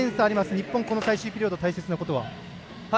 日本、この最終ピリオド大切なことは？